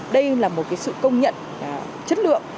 đây là một cái sự công nhận chất lượng